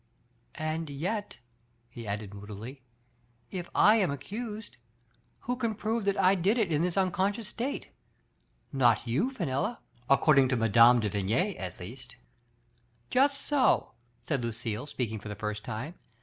And yet/' he added moodily, "if I am accused, who can prove that I did it in this unconscious state? Not you, Fenella; according to Mme. de Vigny, at least. Just so» said Lucille, speaking for the first time.